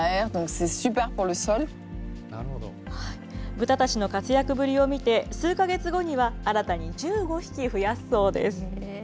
豚たちの活躍ぶりを見て、数か月後には新たに１５匹増やすそうです。